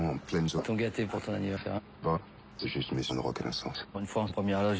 はい？